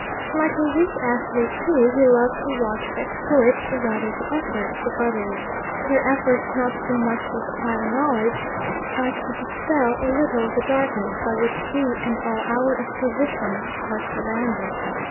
Like a weak athlete, too, he loved to watch the exploits, or rather the efforts, of others their efforts not so much to acquire knowledge as to dispel a little of the darkness by which we and all our acquisitions are surrounded.